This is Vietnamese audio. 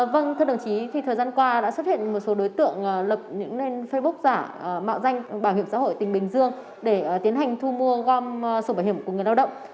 vâng thưa đồng chí thì thời gian qua đã xuất hiện một số đối tượng lập những facebook giả mạo danh bảo hiểm xã hội tỉnh bình dương để tiến hành thu mua gom sổ bảo hiểm của người lao động